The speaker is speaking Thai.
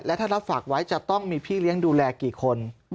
ถ้ารับฝากไว้จะต้องมีพี่เลี้ยงดูแลกี่คน